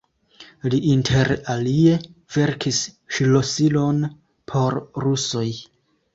Li inter alie verkis ŝlosilon por rusoj.